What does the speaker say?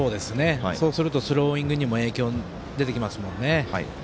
そうするとスローイングにも影響出てきますもんね。